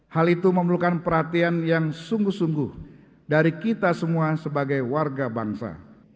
hal itu memerlukan perhatian yang sungguh sungguh dari kita semua sebagai warga bangsa